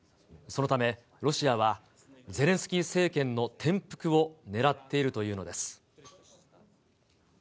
そのため、ロシアはゼレンスキー政権の転覆をねらっているというのです。